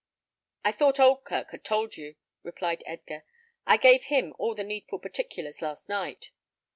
"I thought Oldkirk had told you," replied Edgar. "I gave him all the needful particulars last night."